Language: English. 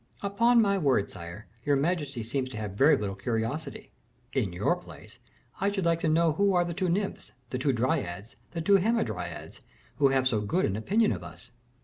"Upon my word, sire, your majesty seems to have very little curiosity. In your place, I should like to know who are the two nymphs, the two dryads, the two hamadryads, who have so good an opinion of us."